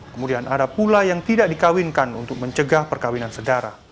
kemudian ada pula yang tidak dikawinkan untuk mencegah perkawinan sedara